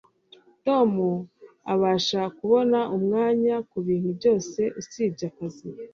Tom abasha kubona umwanya kubintu byose usibye akazi